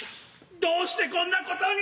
どうしてこんなことに！